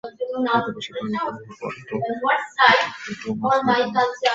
এত বেশি পান করো না পরে তো হিটটোটোমাস হয়ে যাবেন।